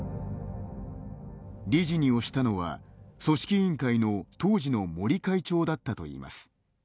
理事に推したのは、組織委員会の当時の森会長だったといいます。